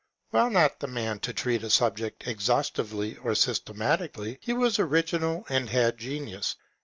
While not the man to treat a subject exhaustively or systematically, he was original and had genius.